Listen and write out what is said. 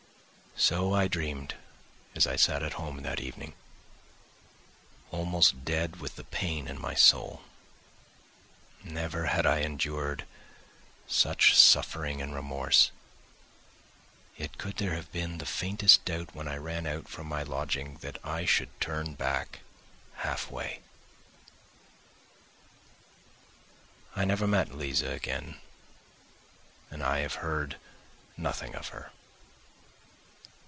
So I dreamed as I sat at home that evening, almost dead with the pain in my soul. Never had I endured such suffering and remorse, yet could there have been the faintest doubt when I ran out from my lodging that I should turn back half way? I never met Liza again and I have heard nothing of her.